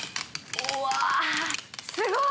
うわっすごい！